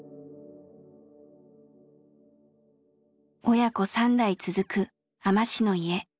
親子３代続く海士の家。